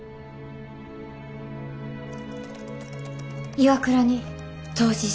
ＩＷＡＫＵＲＡに投資してください。